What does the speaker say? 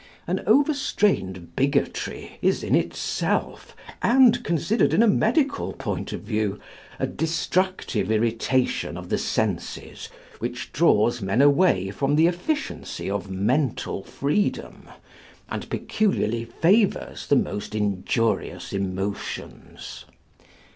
An overstrained bigotry is in itself, and considered in a medical point of view, a destructive irritation of the senses, which draws men away from the efficiency of mental freedom, and peculiarly favours the most injurious emotions.